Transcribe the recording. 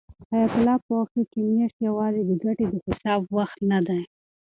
حیات الله پوه شو چې میاشتې یوازې د ګټې د حساب وخت نه دی.